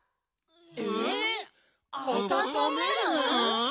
えっあたためる？